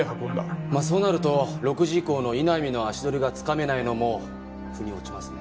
そうなると６時以降の井波の足取りがつかめないのも腑に落ちますね。